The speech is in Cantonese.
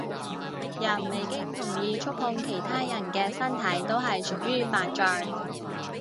人未經同意觸碰其他人嘅身體都係屬於犯罪